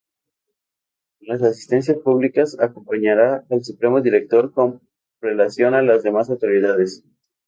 En las asistencias públicas acompañará al Supremo Director con prelación a las demás autoridades.